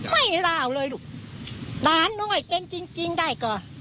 ไม่เล่าเลยลูกหลานน้อยเป็นจริงจริงได้ก็